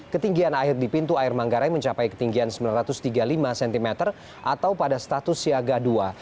ketinggian air di pintu air manggarai mencapai ketinggian sembilan ratus tiga puluh lima cm atau pada status siaga dua